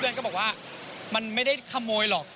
ก็บอกว่ามันไม่ได้ขโมยหรอก